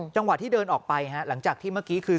จังหวะที่เดินออกไปหลังจากที่เมื่อกี้คือ